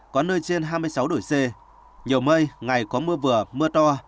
có nơi trên hai mươi sáu độ c nhiều mây ngày có mưa vừa mưa to